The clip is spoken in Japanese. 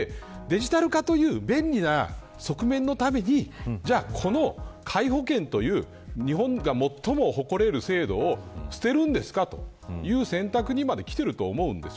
デジタル化という便利な側面のために国民皆保険という日本が最も誇れる制度を捨てるんですかという選択にまで来てると思います。